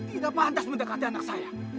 tidak pantas mendekati anak saya